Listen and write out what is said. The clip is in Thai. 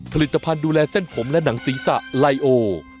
ผลิตภัณฑ์ดูแลเส้นผมและหนังศีรษะไลโอ